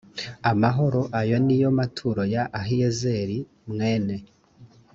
amahoro ayo ni yo maturo ya ahiyezeri mwene